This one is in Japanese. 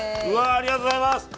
ありがとうございます！